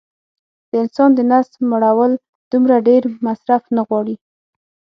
د انسان د نس مړول دومره ډېر مصرف نه غواړي